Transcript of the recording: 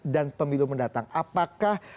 dan pemilu mendatang apakah